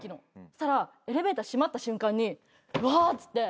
そしたらエレベーター閉まった瞬間にうわっつって。